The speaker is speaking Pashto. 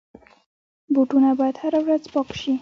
بوټونه باید هره ورځ پاک شي.